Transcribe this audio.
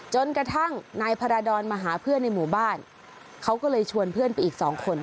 จนกระทั่งนายพาราดรมาหาเพื่อนในหมู่บ้านเขาก็เลยชวนเพื่อนไปอีกสองคน